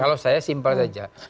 kalau saya simpel saja